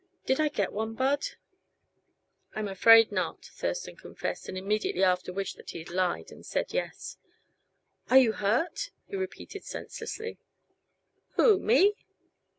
"Did I get one, Bud?" "I'm afraid not," Thurston confessed, and immediately after wished that he had lied and said yes. "Are you hurt?" he repeated senselessly. "Who, me?"